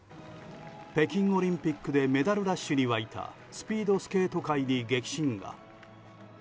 北京オリンピックでメダルラッシュに沸いたスピードスケート界に激震が。